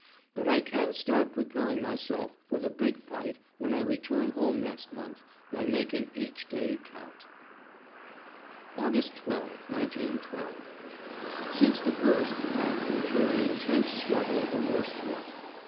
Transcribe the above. But I can start preparing myself for the big fight when I return home next month by making each day count. =, August 12, 1912.= Since the first I have been through an [intense] struggle, the worst yet.